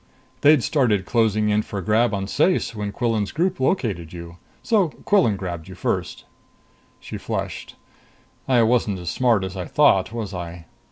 "They'd started closing in for the grab in Ceyce when Quillan's group located you. So Quillan grabbed you first." She flushed. "I wasn't as smart as I thought, was I?"